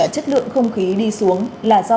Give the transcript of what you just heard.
chất lượng không khí đi xuống là do